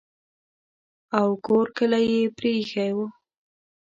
او کور کلی یې پرې ایښی وو.